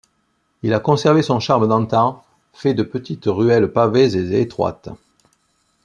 Il a conservé son charme d'antan, fait de petites ruelles pavées et étroites.